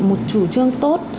một chủ trương tốt